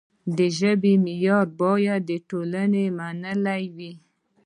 د ژبې معیار باید د ټولنې منل وي.